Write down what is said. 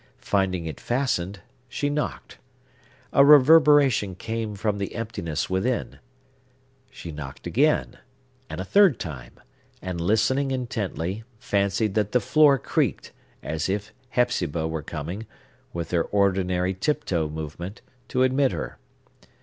Finding it fastened, she knocked. A reverberation came from the emptiness within. She knocked again, and a third time; and, listening intently, fancied that the floor creaked, as if Hepzibah were coming, with her ordinary tiptoe movement, to admit her.